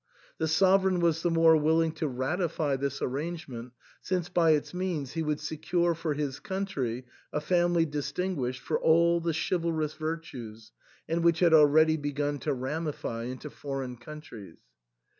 The sovereign was the more willing to ratify this arrangement since by its means he would secure for his country a family distinguished for all chivalrous virtues, and which had already begun to ramify into foreign countries.